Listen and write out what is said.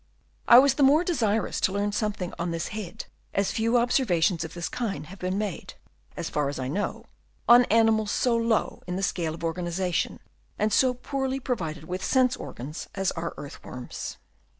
I was the more desirous to learn something on this head, as few observations of this kind have been made, as far as I know, on animals so low in the scale of organization and so poorly provided with sense organs, as are earth worms.